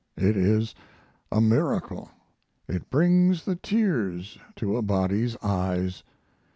It is a miracle. It brings the tears to a body's eyes.